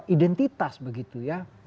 identitas begitu ya